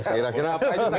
kira kira semuanya seperti ini